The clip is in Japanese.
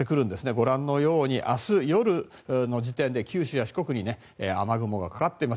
ご覧のように明日夜の時点で九州や四国に雨雲がかかっています。